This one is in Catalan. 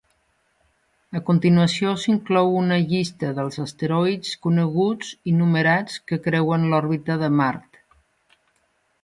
A continuació s'inclou una llista dels asteroids coneguts i numerats que creuen l'òrbita de Mart.